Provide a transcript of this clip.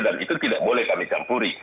dan itu tidak boleh kami campuri